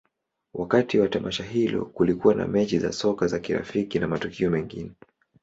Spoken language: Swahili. Wakati wa tamasha hilo, kulikuwa na mechi za soka za kirafiki na matukio mengine.